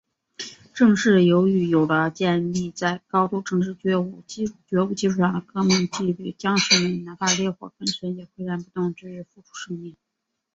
正是由于有了建立在高度政治觉悟基础上的革命纪律，将士们……哪怕烈火焚身，也岿然不动，直至付出生命。